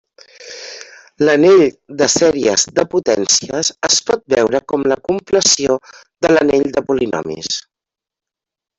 L'anell de sèries de potències es pot veure com la compleció de l'anell de polinomis.